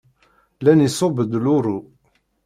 Nnan iṣubb-d luṛu.